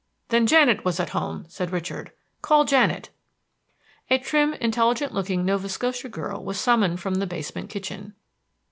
"Then Janet was at home," said Richard. "Call Janet." A trim, intelligent looking Nova Scotia girl was summoned from the basement kitchen.